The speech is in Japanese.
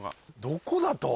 どこだと？